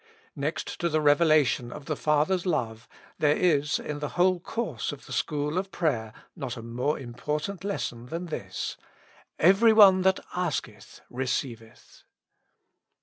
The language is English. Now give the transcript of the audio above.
Next to the revelation of the Father's love, there is, in the whole course of the school of pra} er, not a more important lesson than this : Every one that asketh, receiveth.